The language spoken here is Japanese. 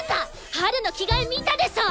ハルの着替え見たでしょ！